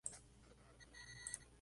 Es conocido por retratar al Cpl.